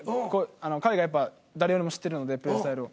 彼がやっぱ誰よりも知ってるのでプレースタイルを。